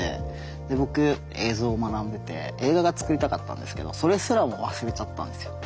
で僕映像を学んでて映画が作りたかったんですけどそれすらも忘れちゃったんですよ。